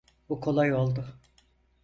Bu kolay oldu.